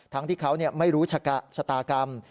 ทั้งที่เขาไม่รู้ชะตากรรม